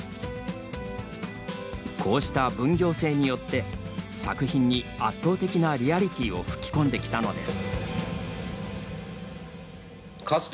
こうした分業制によって作品に圧倒的なリアリティーを吹き込んできたのです。